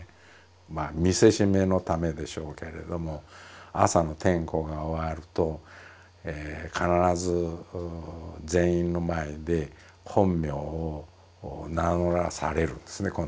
まあ見せしめのためでしょうけれども朝の点呼が終わると必ず全員の前で本名を名乗らされるんですね今度は逆に。